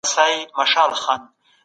کونډو او یتیمانو ته پاملرنه کیده.